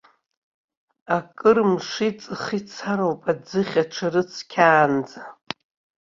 Акыр мши-ҵхи цароуп аӡыхь аҽарыцқьаанӡа.